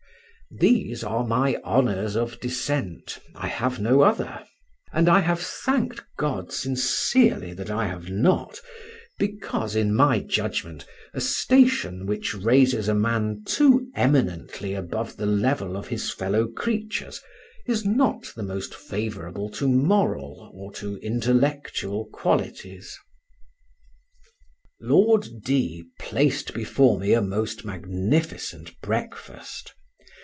These are my honours of descent, I have no other; and I have thanked God sincerely that I have not, because, in my judgment, a station which raises a man too eminently above the level of his fellow creatures is not the most favourable to moral or to intellectual qualities. Lord D—— placed before me a most magnificent breakfast.